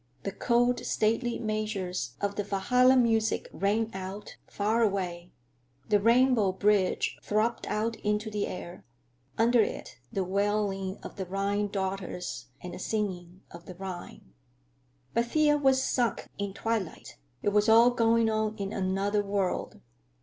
The cold, stately measures of the Walhalla music rang out, far away; the rainbow bridge throbbed out into the air, under it the wailing of the Rhine daughters and the singing of the Rhine. But Thea was sunk in twilight; it was all going on in another world.